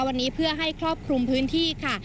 วันนี้เพื่อให้ครอบคลุมพื้นที่ค่ะ